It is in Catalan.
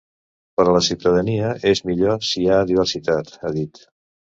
Per a la ciutadania és millor si hi ha diversitat, ha dit.